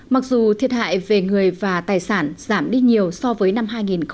mặc dù thiệt hại về người và tài sản giảm đi nhiều so với năm hai nghìn một mươi